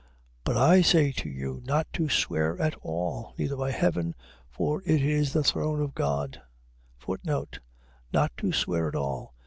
5:34. But I say to you not to swear at all, neither by heaven for it is the throne of God: Not to swear at all.